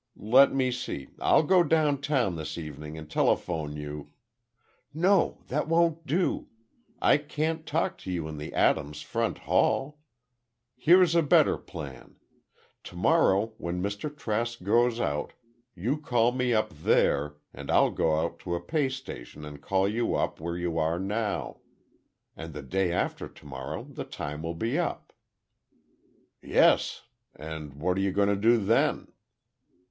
Let me see, I'll go down town this evening and telephone you—" "No, that won't do. I can't talk to you in the Adams front hall! Here's a better plan. Tomorrow, when Mr. Trask goes out, you call me up there, and I'll go out to a pay station and call you up where you are now. And the day after tomorrow the time will be up." "Yes, and what are you going to do then?"